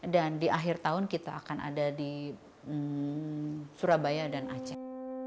dan di akhir tahun kita akan ada di surabaya dan aceh